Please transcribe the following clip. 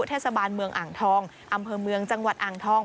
เทสาบานเมืองอังฐองอำเภิมืองจังหวัดอังฐอง